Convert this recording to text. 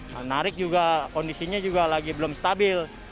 jadi menarik juga kondisinya juga lagi belum stabil